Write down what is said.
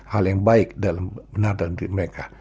hal yang baik dalam benar dalam diri mereka